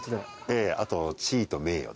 ええあと。